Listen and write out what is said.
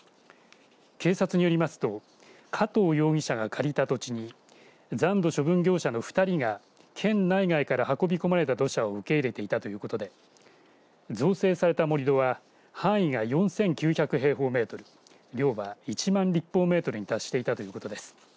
警察によりますと加藤容疑者が借りた土地に残土処分業者の２人が県内外から運び込まれた土砂を受け入れていたということで造成された盛り土は範囲が４９００平方メートル量は１万立方メートルに達していたということです。